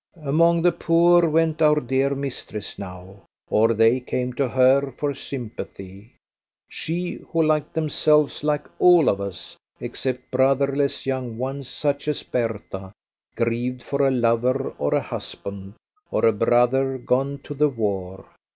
Among the poor went our dear mistress now, or they came to her for sympathy; she who, like themselves, like all of us, except brotherless young ones such as Bertha, grieved for a lover, or a husband, or a brother, gone to the war.